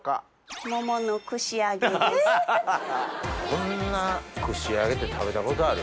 こんな串揚げって食べたことある？